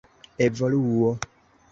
evoluo